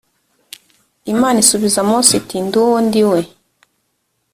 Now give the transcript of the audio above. imana isubiza mose iti ndi uwo ndi we